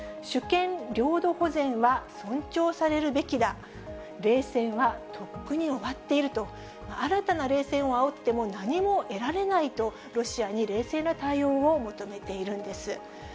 主権、領土保全は尊重されるべきだ、冷戦はとっくに終わっていると、新たな冷戦をあおっても何も得られないと、ロシアに冷静な対応を求めているんです。